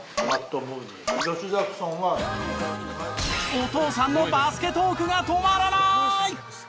お父さんのバスケトークが止まらない！